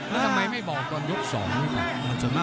แล้วทำไมไม่บอกตอนยก๒นี่ไง